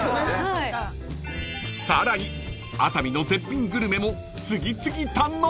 ［さらに熱海の絶品グルメも次々堪能］